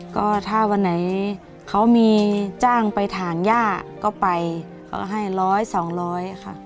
ก็ถ้าวันไหนเขามีจ้างไปถ่างแย่ก็ไปก็ให้๑๐๐๒๐๐ค่ะ